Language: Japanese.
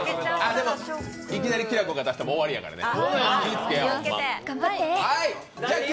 でも、いきなりきらこが出したらもう終わりやからね。